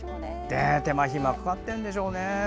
手間暇かかってるんでしょうね。